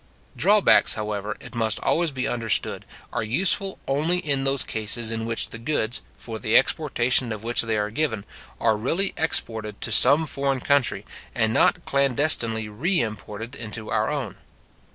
Drawbacks, however, it must always be understood, are useful only in those cases in which the goods, for the exportation of which they are given, are really exported to some foreign country, and not clandestinely re imported into our own.